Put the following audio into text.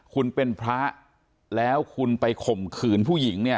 คุณเป็นพระแล้วคุณไปข่มขืนผู้หญิงเนี่ย